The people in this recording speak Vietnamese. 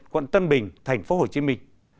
quận tân bình thành phố hồ chí minh